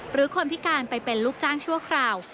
หรือคนพิการไปเป็นลูกจ้างชั่วคราว